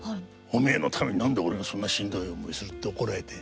「お前のために何で俺がそんなしんどい思いする？」って怒られて。